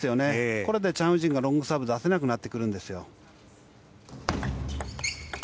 これでチャン・ウジンがロングサーブ出せなくなってくるんです。